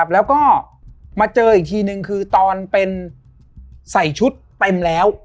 แล้วก็มาเจออีกทีนึงคือตอนเป็นใส่ชุดเต็มแล้ว